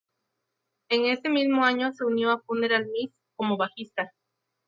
En ese mismo año se unió a Funeral Mist como bajista.